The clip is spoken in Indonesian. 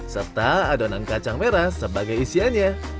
serta adonan kacang merah sebagai isiannya